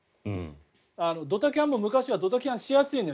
ドタキャンも昔はドタキャンしやすいのよ。